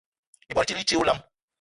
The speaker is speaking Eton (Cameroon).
Ibwal i tit i ti olam.